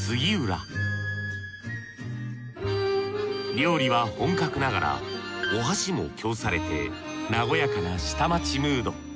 料理は本格ながらお箸も供されて和やかな下町ムード。